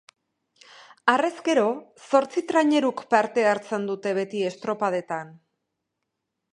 Harrezkero, zortzi traineruk parte hartzen dute beti estropadetan.